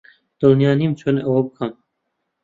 دڵنیا نیم چۆن ئەوە بکەم.